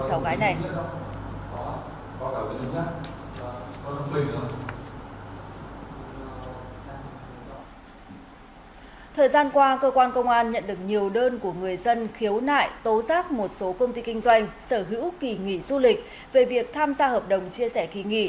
thời gian qua cơ quan công an nhận được nhiều đơn của người dân khiếu nại tố giác một số công ty kinh doanh sở hữu kỳ nghỉ du lịch về việc tham gia hợp đồng chia sẻ kỳ nghỉ